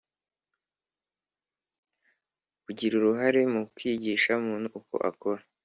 Kugira uruhare mu kwigisha Muntu uko akora